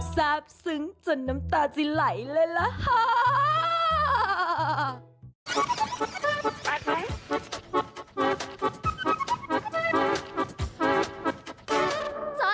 ซาบซึ้งจนน้ำตาจิระไหลเลยละฮะ